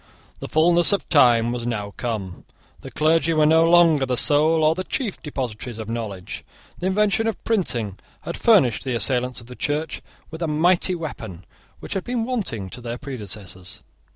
The fulness of time was now come. The clergy were no longer the sole or the chief depositories of knowledge The invention of printing had furnished the assailants of the Church with a mighty weapon which had been wanting to their predecessors.